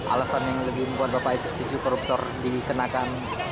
alasan yang lebih membuat bapak itu setuju koruptor dikenakan